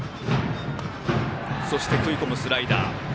そして食い込むスライダー。